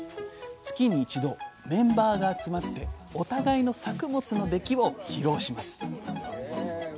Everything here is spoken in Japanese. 月に一度メンバーが集まってお互いの作物の出来を披露します。